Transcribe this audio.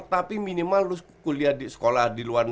tapi minimal lu kuliah di sekolah di luar